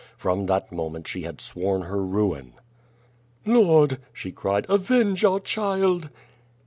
From that moment she had sworn ner ruin. "Lord," she cried, "avenge our child!"